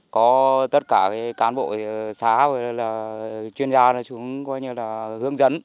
có tất cả các cán bộ xã và chuyên gia chúng coi như là hướng dẫn